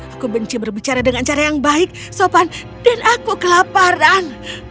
aku benci berbicara dengan cara yang baik sopan dan aku kelaparan